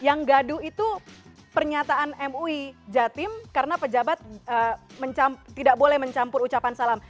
yang gaduh itu pernyataan mui jatim karena pejabat tidak boleh mencampur ucapan salam